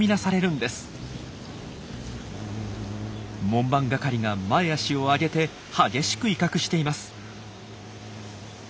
門番係が前足を上げて激しく威嚇しています。